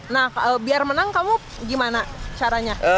nah biar menang kamu gimana caranya